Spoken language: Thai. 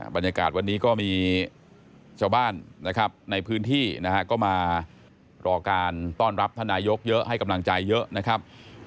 บรรยากาศวันนี้ก็มีชาวบ้านนะครับในพื้นที่นะฮะก็มารอการต้อนรับท่านนายกเยอะให้กำลังใจเยอะนะครับ